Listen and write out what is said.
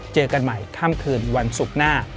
เจอกันใหม่ค่ำคืนวันศุกร์หน้า